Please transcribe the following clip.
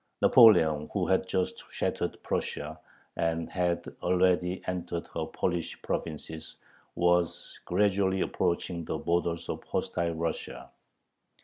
Napoleon, who had just shattered Prussia, and had already entered her Polish provinces, was gradually approaching the borders of hostile Russia.